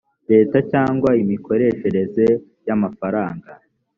leta cyangwa imikoreshereze y amafaranga